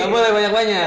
nggak boleh banyak banyak